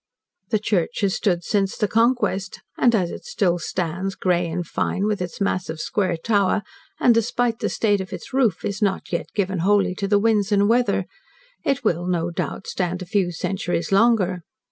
The church has stood since the Conquest, and, as it still stands, grey and fine, with its mass of square tower, and despite the state of its roof, is not yet given wholly to the winds and weather, it will, no doubt, stand a few centuries longer.